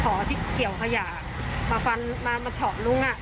ข๋าที่เกี่ยวขยะมาเฉาะลุง